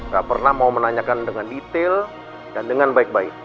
gak pernah mau menanyakan dengan detail dan dengan baik baik